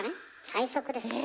最速ですよ。